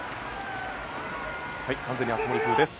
完全に熱盛風です。